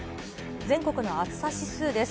全国の暑さ指数です。